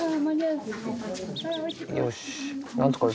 よし。